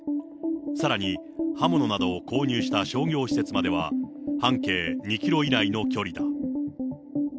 さらに刃物などを購入した商業施設までは半径２キロ以内の距離だ。